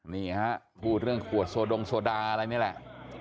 นี่ฮะพูดเรื่องขวดโซดงโซดาอะไรนี่แหละ